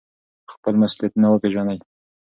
خپل مسؤلیتونه وپیژنئ.